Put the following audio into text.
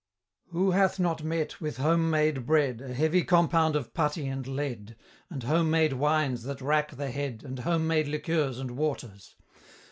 Who hath not met with home made bread, A heavy compound of putty and lead And home made wines that rack the head, And home made liqueurs and waters?